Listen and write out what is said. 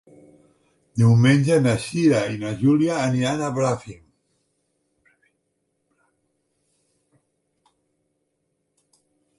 Diumenge na Cira i na Júlia iran a Bràfim.